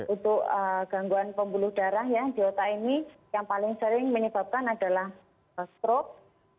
untuk gangguan pembuluh darah ya di otak ini yang paling sering menyebabkan adalah stroke